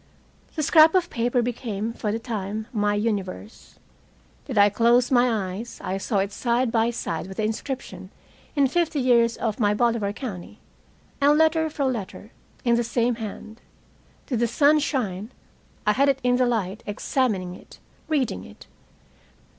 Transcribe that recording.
The scrap of paper became, for the time, my universe. Did I close my eyes, I saw it side by side with the inscription in "Fifty years of my Bolivar County," and letter for letter, in the same hand. Did the sun shine, I had it in the light, examining it, reading it.